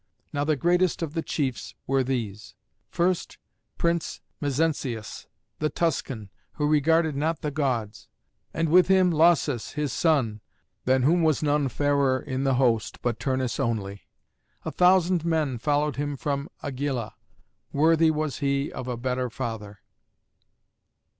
Now the greatest of the chiefs were these: First, Prince Mezentius, the Tuscan, who regarded not the Gods; and with him Lausus his son, than whom was none fairer in the host but Turnus only. A thousand men followed him from Agylla. Worthy was he of a better father.